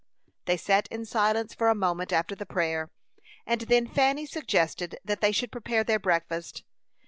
They sat in silence for a moment after the prayer, and then Fanny suggested that they should prepare their breakfast.